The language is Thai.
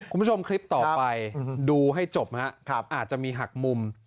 คุณผู้ชมคลิปต่อไปดูให้จบครับอาจจะมีหักมุม